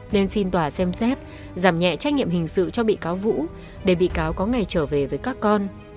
nên xin tòa xem xét giảm nhẹ trách nhiệm hình sự cho bị cáo vũ để bị cáo có ngày trở về với các con